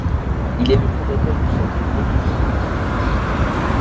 Il est le fondateur du Centre Maurits Coppieters.